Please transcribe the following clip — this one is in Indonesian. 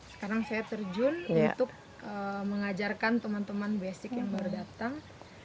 sekarang saya terjun untuk mengajarkan teman teman basic yang baru datang